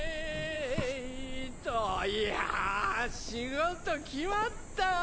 えといや仕事決まったよ